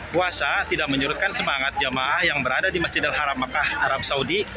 puasa tidak menyurutkan semangat jemaah yang berada di masjidil haram mekah arab saudi